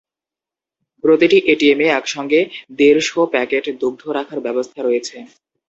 প্রতিটি এটিএমে একসঙ্গে দেড় শ প্যাকেট দুগ্ধ রাখার ব্যবস্থা রয়েছে।